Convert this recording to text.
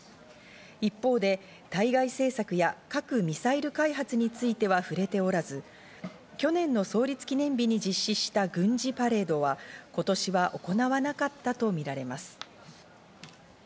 一方で対外政策や核・ミサイル開発については触れておらず、去年の創立記念日に実施した軍事パレードは今年は行わなかったとみられます。